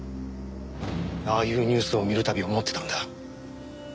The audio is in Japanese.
ああいうニュースを見る度思ってたんだ。